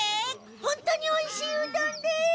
ホントにおいしいうどんです！